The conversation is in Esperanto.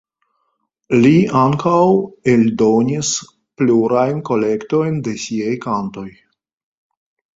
Li ankaŭ eldonis plurajn kolektojn de siaj kantoj.